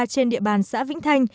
trên địa bàn xã vĩnh thanh